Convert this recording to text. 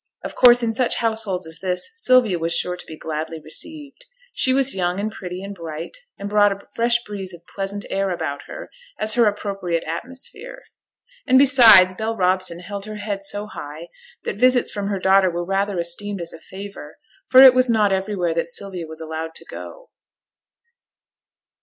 Of course in such a household as this Sylvia was sure to be gladly received. She was young, and pretty, and bright, and brought a fresh breeze of pleasant air about her as her appropriate atmosphere. And besides, Bell Robson held her head so high that visits from her daughter were rather esteemed as a favour, for it was not everywhere that Sylvia was allowed to go.